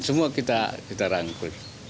semua kita rangkul